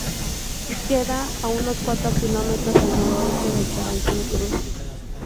Queda a unos cuatro kilómetros al noroeste de Charing Cross.